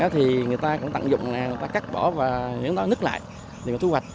thì người ta cũng tặng dụng người ta cắt bỏ và những đói nứt lại để thu hoạch